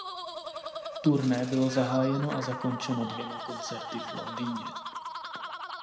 Turné bylo zahájeno a zakončeno dvěma koncerty v Londýně.